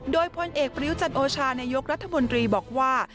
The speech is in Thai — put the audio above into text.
โดยพลเอกประยุจันโอชานายกรัฐมนตรีบอกว่า